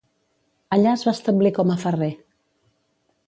Allà es va establir com a ferrer.